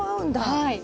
はい。